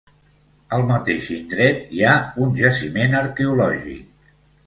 Al mateix indret hi ha un jaciment arqueològic.